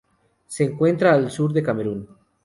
Se encuentra al sur del Camerún.